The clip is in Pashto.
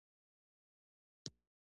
د ښه نیت خبرې برکت لري